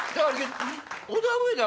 オダウエダ